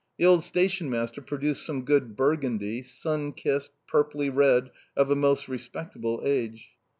The old stationmaster produced some good Burgundy, sun kissed, purply red of a most respectable age.